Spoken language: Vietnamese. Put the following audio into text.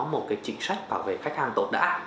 một cái chính sách bảo vệ khách hàng tốt đã